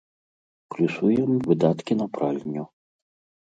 Плюсуем выдаткі на пральню.